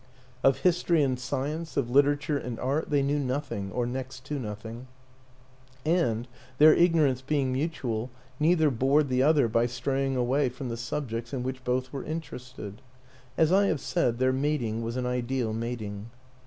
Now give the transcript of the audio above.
Of history and science, of literature and art, they knew nothing, or next to nothing; and, their ignorance being mutual, neither bored the other by straying away from the subjects in which both were interested. ... As I have said, their mating was an ideal mating.